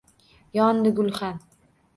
Yondi gulxan.